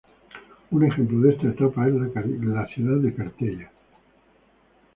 Un ejemplo de esta etapa es la ciudad de Carteia.